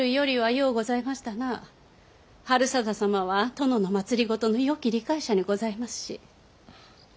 治済様は殿の政のよき理解者にございますし。